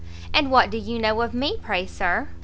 "And what do you know of me, pray Sir?"